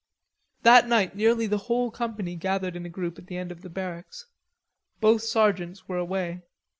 That night nearly the whole company gathered in a group at the end of the barracks. Both sergeants were away.